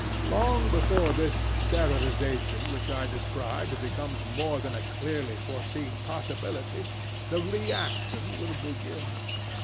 Long before this sterilization which I described becomes more than a clearly foreseen possibility, the reaction will begin.